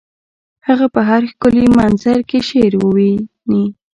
هغه په هر ښکلي منظر کې شعر ویني